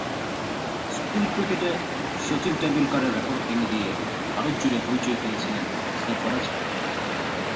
School ক্রিকেটে শচীন টেন্ডুলকারের record ভেঙে দিয়ে ভারতজুড়ে হইচই ফেলেছিলেন সরফরাজ খান।